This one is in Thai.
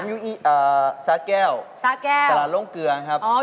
ค่ะผมอยู่ซาแก้วตลาดร่งเกลือครับซาแก้ว